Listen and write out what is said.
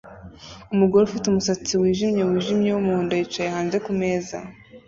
Umugore ufite umusatsi wijimye wijimye wumuhondo yicaye hanze kumeza